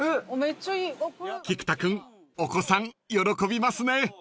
［菊田君お子さん喜びますね］